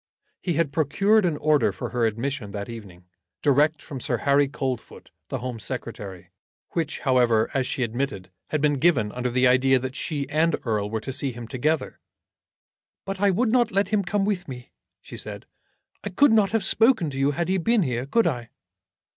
He had procured an order for her admission that evening, direct from Sir Harry Coldfoot, the Home Secretary, which, however, as she admitted, had been given under the idea that she and Erle were to see him together. "But I would not let him come with me," she said. "I could not have spoken to you, had he been here; could I?"